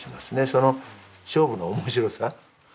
その勝負の面白さ。